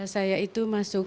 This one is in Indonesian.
saya itu masuk